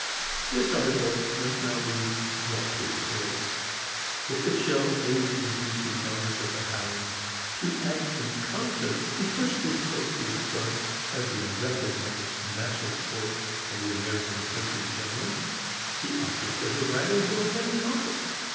This article must now be brought to a close. If it shall aid in inducing lovers of the Hound to act in concert to push this sport to the front as the recognized national sport of the American country gentleman, the object of the writer will have been accomplished.